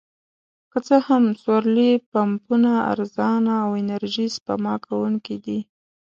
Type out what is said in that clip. که څه هم سولري پمپونه ارزانه او انرژي سپما کوونکي دي.